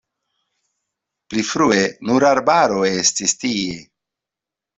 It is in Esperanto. Pli frue nur arbaro estis tie.